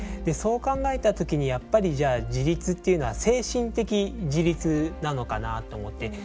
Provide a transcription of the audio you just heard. そう考えた時にやっぱりじゃあ自立っていうのは精神的自立なのかなと思って。